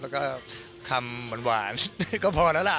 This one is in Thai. แล้วก็คำหวานก็พอแล้วล่ะ